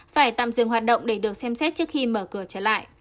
phải tạm dừng hoạt động để được xem xét trước khi mở cửa trở lại